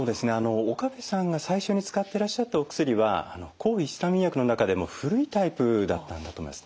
岡部さんが最初に使ってらっしゃったお薬は抗ヒスタミン薬の中でも古いタイプだったんだと思います。